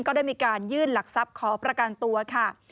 ก็ได้มีการยื่นหลักทรัพย์ขอประกันตัวค่ะ